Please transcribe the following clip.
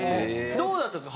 どうだったんですか？